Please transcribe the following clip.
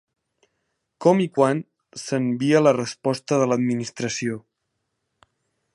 Com i quan s'envia la resposta de l'Administració?